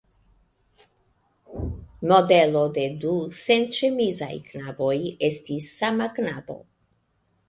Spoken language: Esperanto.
Modelo de du senĉemizaj knaboj estis sama knabo.